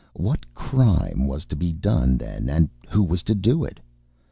What crime was to be done, then, and who was to do it?